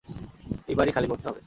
এই বাড়ি খালি করতে হবে।